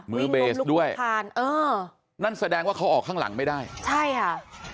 มือเบสด้วยผ่านเออนั่นแสดงว่าเขาออกข้างหลังไม่ได้ใช่ค่ะ